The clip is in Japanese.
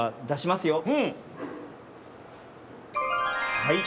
はい。